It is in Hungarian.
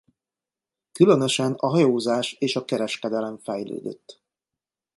Különösen a hajózás és a kereskedelem fejlődött.